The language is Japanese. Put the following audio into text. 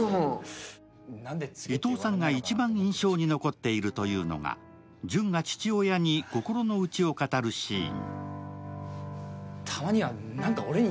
伊藤さんが一番印象に残っているというのが、淳が父親に心の内を語るシーン。